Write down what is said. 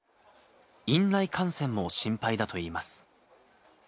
院内感染も心配だといいます。